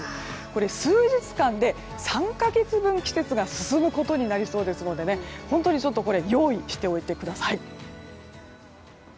これ、数日間で３か月分季節が進むことになりそうですので本当にこれは用意しておいてください。